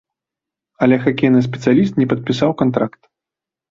Але хакейны спецыяліст не падпісаў кантракт.